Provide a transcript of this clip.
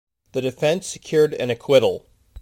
The defence secured an acquittal.